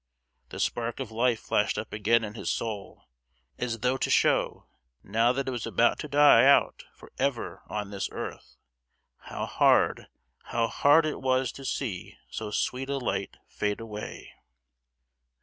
The spark of life flashed up again in his soul, as though to show, now that it was about to die out for ever on this earth, how hard, how hard it was to see so sweet a light fade away.